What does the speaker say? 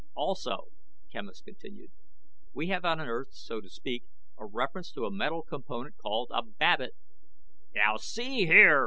"Also," Quemos continued, "we have unearthed, so to speak, a reference to a metal component called a babbitt " "Now see here!"